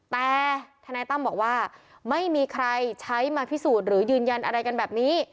แต่ทนายตั้มบอกว่าไม่มีใครใช้มาพิสูจน์หรือยืนยันอะไรกันแบบนี้